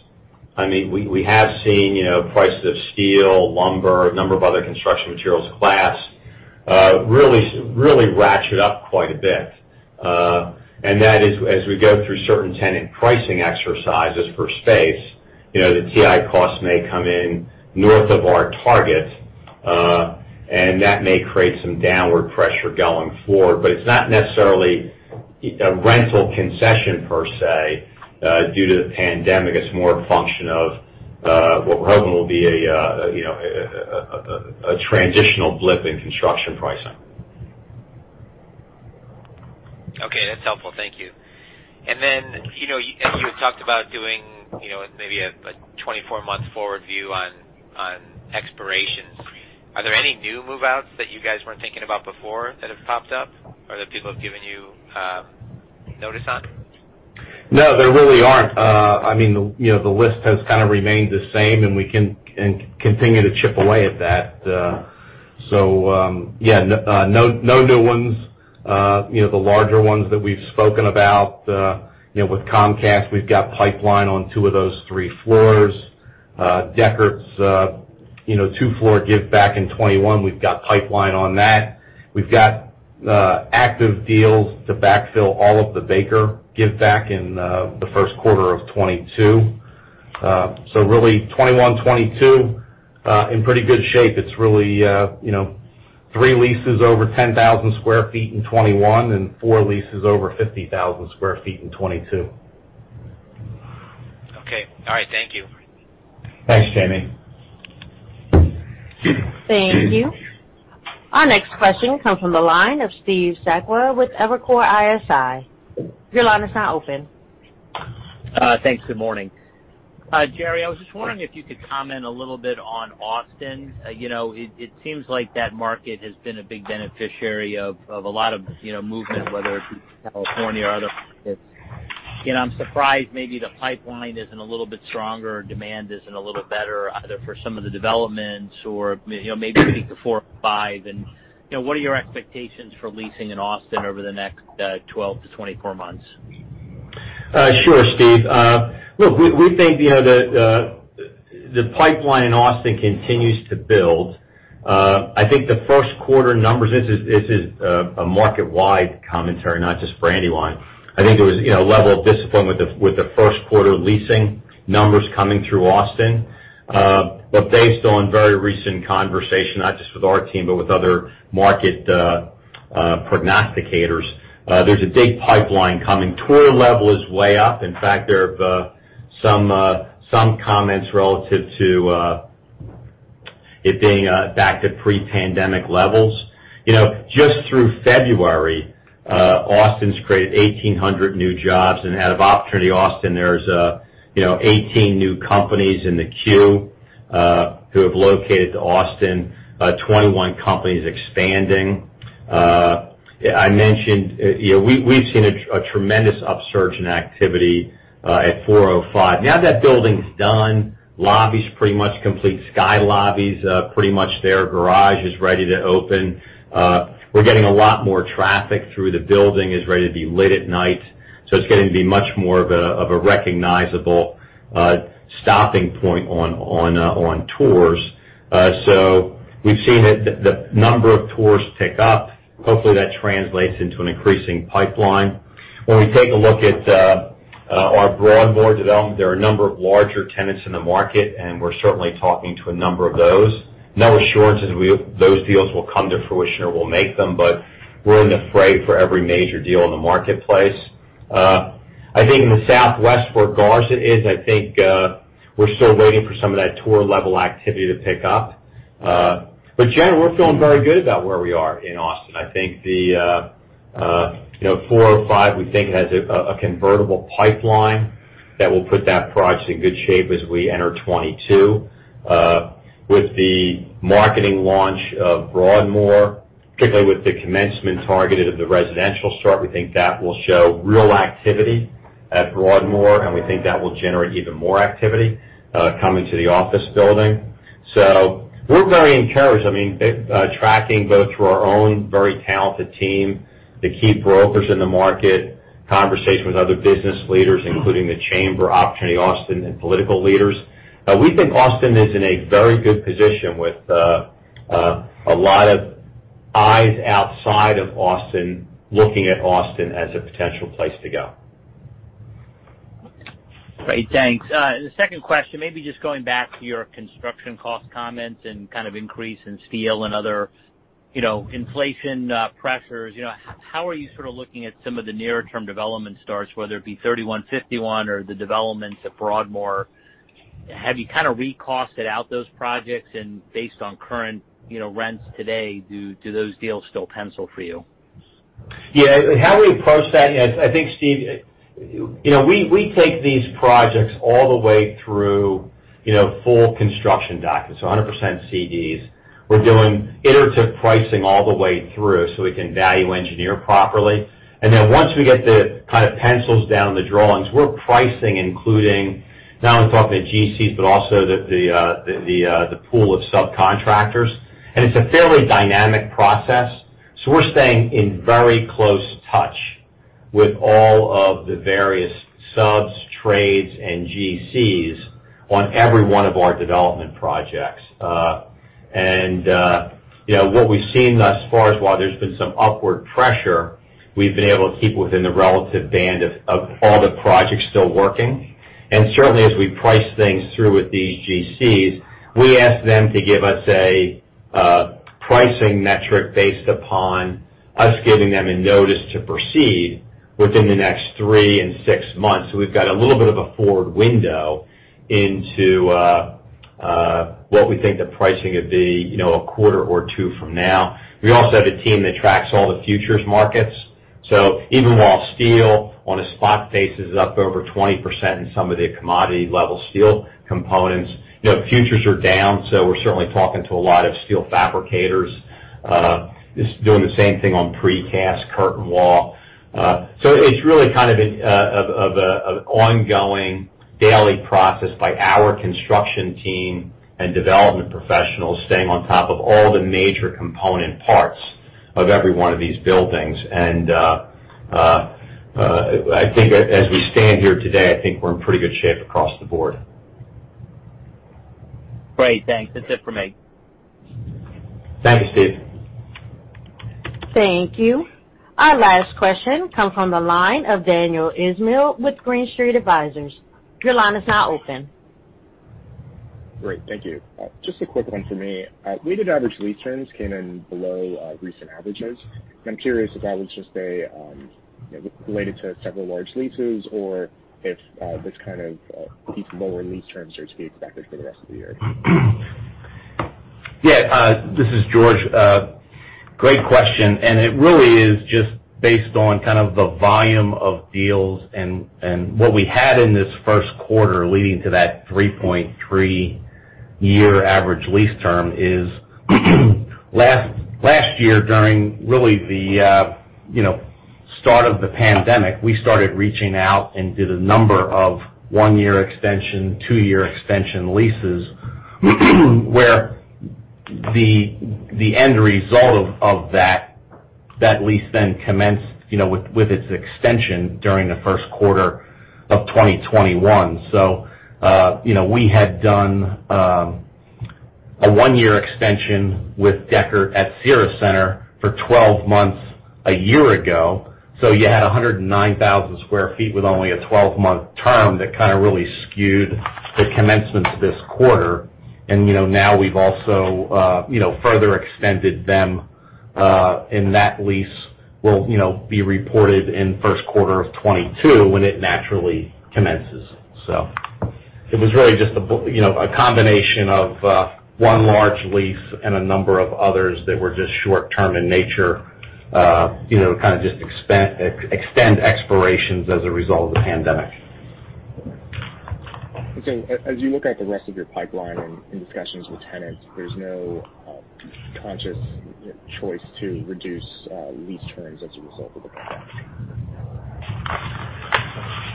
We have seen prices of steel, lumber, a number of other construction materials, glass really ratchet up quite a bit. That is, as we go through certain tenant pricing exercises for space, the TI costs may come in north of our target, and that may create some downward pressure going forward. It's not necessarily a rental concession per se, due to the pandemic. It's more a function of what we're hoping will be a transitional blip in construction pricing. Okay. That's helpful. Thank you. You had talked about doing maybe a 24-month forward view on expirations. Are there any new move-outs that you guys weren't thinking about before that have popped up or that people have given you notice on? No, there really aren't. The list has kind of remained the same, and we continue to chip away at that. Yeah, no new ones. The larger ones that we've spoken about with Comcast, we've got pipeline on two of those three floors. Decherts' 2-floor give back in 2021, we've got pipeline on that. We've got active deals to backfill all of the Baker give back in the first quarter of 2022. Really 2021-2022, in pretty good shape. It's really three leases over 10,000 sq ft in 2021 and four leases over 50,000 sq ft in 2022. Okay. All right. Thank you. Thanks, Jamie. Thank you. Our next question comes from the line of Steve Sakwa with Evercore ISI. Your line is now open. Thanks. Good morning. Jerry, I was just wondering if you could comment a little bit on Austin. It seems like that market has been a big beneficiary of a lot of movement, whether it's from California or other markets. I'm surprised maybe the pipeline isn't a little bit stronger or demand isn't a little better, either for some of the developments or maybe week four or five. What are your expectations for leasing in Austin over the next 12-24 months? Sure, Steve. Look, we think the pipeline in Austin continues to build. I think the first quarter numbers, this is a market-wide commentary, not just Brandywine. I think there was a level of disappointment with the first quarter leasing numbers coming through Austin. Based on very recent conversation, not just with our team, but with other market prognosticators. There's a big pipeline coming. Tour level is way up. In fact, there are some comments relative to it being back to pre-pandemic levels. Just through February, Austin's created 1,800 new jobs, and out of Opportunity Austin, there's 18 new companies in the queue who have located to Austin. 21 companies expanding. I mentioned we've seen a tremendous upsurge in activity at 405. Now that building's done. Lobby's pretty much complete. Sky lobby's pretty much there. Garage is ready to open. We're getting a lot more traffic through the building, is ready to be lit at night. It's getting to be much more of a recognizable stopping point on tours. We've seen the number of tours tick up. Hopefully, that translates into an increasing pipeline. When we take a look at our Broadmoor development, there are a number of larger tenants in the market. We're certainly talking to a number of those. No assurances those deals will come to fruition, or we'll make them. We're in the fray for every major deal in the marketplace. I think in the southwest where Garza is, we're still waiting for some of that tour-level activity to pick up. Generally, we're feeling very good about where we are in Austin. I think the 405, we think, has a convertible pipeline that will put that project in good shape as we enter 2022. With the marketing launch of Broadmoor, particularly with the commencement targeted of the residential start, we think that will show real activity at Broadmoor. We think that will generate even more activity coming to the office building. We're very encouraged. Tracking both through our own very talented team, the key brokers in the market, conversation with other business leaders, including the chamber, Opportunity Austin, and political leaders. We think Austin is in a very good position with a lot of eyes outside of Austin, looking at Austin as a potential place to go. Great. Thanks. The second question, maybe just going back to your construction cost comments and kind of increase in steel and other inflation pressures. How are you sort of looking at some of the near-term development starts, whether it be 3151 or the developments at Broadmoor? Have you kind of recosted out those projects, and based on current rents today, do those deals still pencil for you? Yeah. How we approach that, I think, Steve, we take these projects all the way through full construction documents, so 100% CDs. We're doing iterative pricing all the way through so we can value engineer properly. Once we get the kind of pencils down on the drawings, we're pricing including not only talking to GCs, but also the pool of subcontractors. It's a fairly dynamic process, so we're staying in very close touch with all of the various subs, trades, and GCs on every one of our development projects. What we've seen thus far is while there's been some upward pressure, we've been able to keep within the relative band of all the projects still working. Certainly, as we price things through with these GCs, we ask them to give us a pricing metric based upon us giving them a notice to proceed within the next three and six months. We've got a little bit of a forward window into what we think the pricing would be a quarter or two from now. We also have a team that tracks all the futures markets. Even while steel on a spot basis is up over 20% in some of the commodity-level steel components, futures are down. We're certainly talking to a lot of steel fabricators. Just doing the same thing on precast curtain wall. It's really kind of an ongoing daily process by our construction team and development professionals staying on top of all the major component parts of every one of these buildings. I think as we stand here today, I think we're in pretty good shape across the board. Great. Thanks. That's it for me. Thank you, Steve. Thank you. Our last question comes from the line of Daniel Ismail with Green Street Advisors. Your line is now open. Great. Thank you. Just a quick one for me. Weighted average lease terms came in below recent averages. I'm curious if that was just related to several large leases or if this kind of lower lease terms are expected for the rest of the year. Yeah. This is George. Great question. It really is just based on kind of the volume of deals and what we had in this first quarter leading to that 3.3-year average lease term is last year during really the start of the pandemic, we started reaching out and did a number of one-year extension, two-year extension leases, where the end result of that lease then commenced with its extension during the first quarter of 2021. We had done a one-year extension with Decherts at Cira Centre for 12 months a year ago. You had 109,000 sq ft with only a 12-month term that kind of really skewed the commencement to this quarter. Now we've also further extended them, and that lease will be reported in first quarter of 2022 when it naturally commences. It was really just a combination of one large lease and a number of others that were just short-term in nature, kind of just extend expirations as a result of the pandemic. Okay. As you look at the rest of your pipeline and discussions with tenants, there's no conscious choice to reduce lease terms as a result of the pandemic?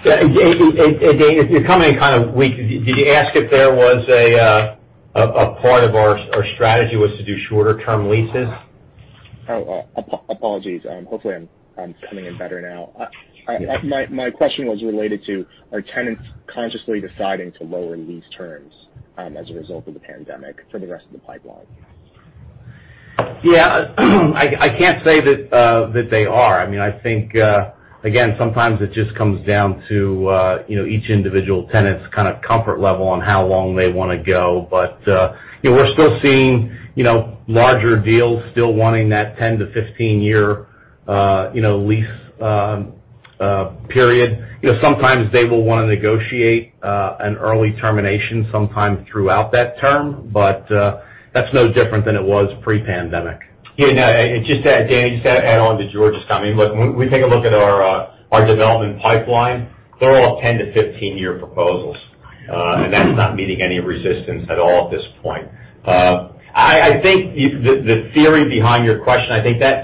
Yeah. Daniel, you're coming in kind of weak. Did you ask if there was a part of our strategy was to do shorter-term leases? Oh, apologies. Hopefully I'm coming in better now. Yes. My question was related to, are tenants consciously deciding to lower lease terms as a result of the pandemic for the rest of the pipeline? Yeah. I can't say that they are. I think, again, sometimes it just comes down to each individual tenant's kind of comfort level on how long they want to go. We're still seeing larger deals still wanting that 10- to 15-year lease period. Sometimes they will want to negotiate an early termination sometime throughout that term, but that's no different than it was pre-pandemic. Yeah, no. Just to add, Daniel, just to add on to George's comment. Look, when we take a look at our development pipeline, they're all 10-to 15-year proposals. That's not meeting any resistance at all at this point. I think the theory behind your question, I think that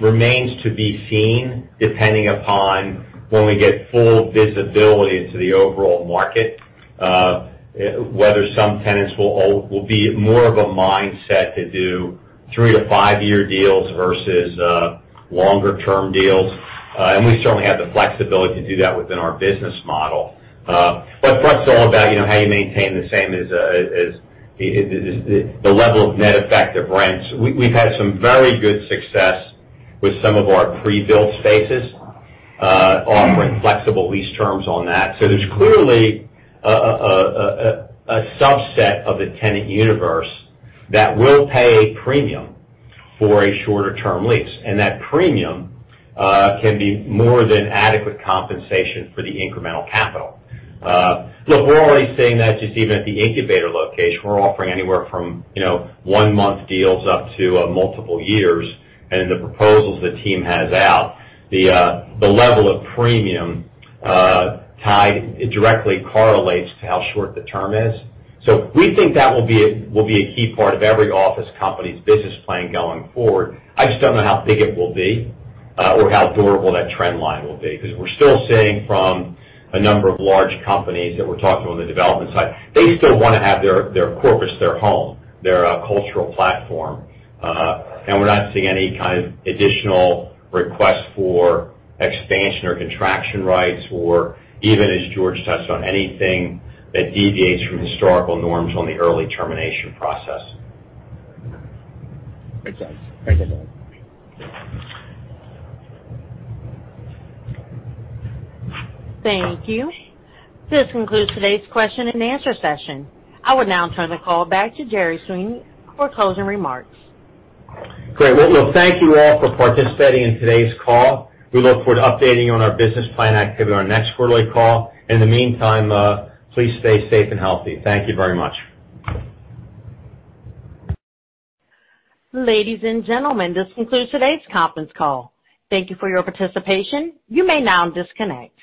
remains to be seen depending upon when we get full visibility into the overall market, whether some tenants will be more of a mindset to do three- to five-year deals versus longer-term deals. We certainly have the flexibility to do that within our business model. B+labs it's all about how you maintain the same as the level of net effective rents. We've had some very good success with some of our pre-built spaces, offering flexible lease terms on that. There's clearly a subset of the tenant universe that will pay a premium for a shorter-term lease. That premium can be more than adequate compensation for the incremental capital. Look, we're already seeing that just even at the incubator location. We're offering anywhere from one-month deals up to multiple years. In the proposals the team has out, the level of premium tied directly correlates to how short the term is. We think that will be a key part of every office company's business plan going forward. I just don't know how big it will be or how durable that trend line will be. We're still seeing from a number of large companies that we're talking with on the development side, they still want to have their corpus, their home, their cultural platform. We're not seeing any kind of additional requests for expansion or contraction rights, or even, as George touched on, anything that deviates from historical norms on the early termination process. Makes sense. Thank you, gentlemen. Thank you. This concludes today's question and answer session. I would now turn the call back to Jerry Sweeney for closing remarks. Great. Thank you all for participating in today's call. We look forward to updating you on our business plan activity on our next quarterly call. In the meantime, please stay safe and healthy. Thank you very much. Ladies and gentlemen, this concludes today's conference call. Thank you for your participation. You may now disconnect.